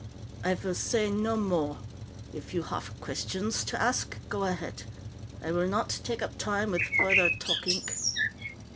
"I will say no morr. If you haff questionss to ask, ko ahet. I will not take up time with furtherr talkink."